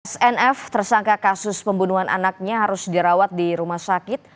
snf tersangka kasus pembunuhan anaknya harus dirawat di rumah sakit